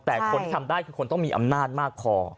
แต่คนที่ทำได้คือคนต้องมีอำนาจมากพอ